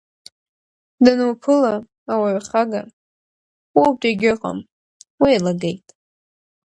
Дануԥыла, ауаҩ хага, уаутә егьыҟам, уеилагеит!